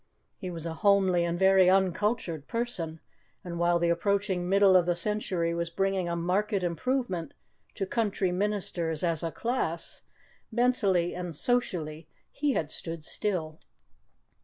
He was a homely and very uncultured person; and while the approaching middle of the century was bringing a marked improvement to country ministers as a class, mentally and socially, he had stood still.